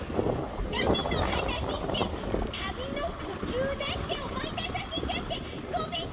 たびのはなしして旅のとちゅうだっておもいださせちゃってごめんなさい！